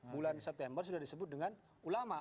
bulan september sudah disebut dengan ulama